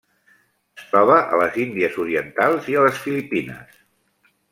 Es troba a les Índies Orientals i a les Filipines.